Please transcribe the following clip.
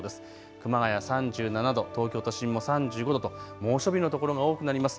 熊谷３７度、東京都心も３５度と猛暑日の所が多くなります。